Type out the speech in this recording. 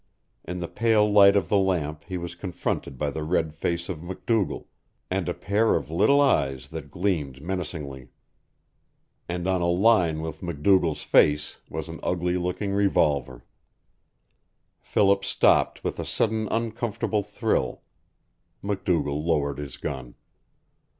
In the pale light of the lamp he was confronted by the red face of MacDougall, and a pair of little eyes that gleamed menacingly. And on a line with MacDougall's face was an ugly looking revolver. Philip stopped with a sudden uncomfortable thrill. MacDougall lowered his gun.